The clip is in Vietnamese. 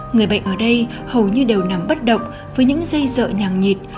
người bệnh ở đây hầu như đều nằm bất động với những dây dợ nhà nhịt